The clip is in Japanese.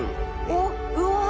おっうわ！